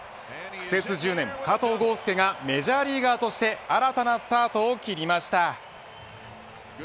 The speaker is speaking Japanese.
苦節１０年、加藤豪将がメジャーリーガーとして新たなスタートを切りました。